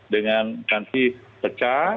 dengan nanti pecah